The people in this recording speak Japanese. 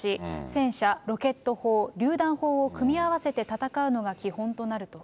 戦車、ロケット砲、りゅう弾砲を組み合わせて戦うのが基本となると。